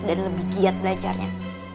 dan lebih giat belajarnya